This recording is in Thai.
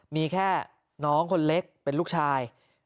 มีแค่น้องคนเล็กเป็นลูกชาย